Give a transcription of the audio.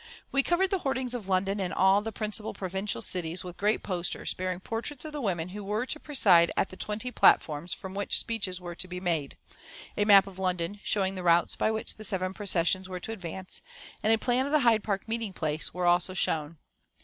We covered the hoardings of London and of all the principal provincial cities with great posters bearing portraits of the women who were to preside at the twenty platforms from which speeches were to be made; a map of London, showing the routes by which the seven processions were to advance, and a plan of the Hyde Park meeting place were also shown.